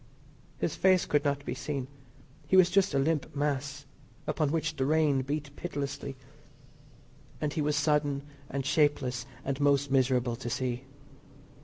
His face could not be seen. He was just a limp mass, upon which the rain beat pitilessly, and he was sodden and shapeless, and most miserable to see.